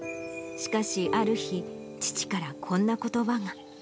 しかし、ある日、父からこんなことばが。